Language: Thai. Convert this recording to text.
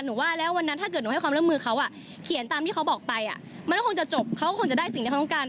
ว่าแล้ววันนั้นถ้าเกิดหนูให้ความร่วมมือเขาเขียนตามที่เขาบอกไปมันก็คงจะจบเขาก็คงจะได้สิ่งที่เขาต้องการ